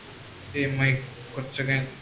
اے مئے چک اِنت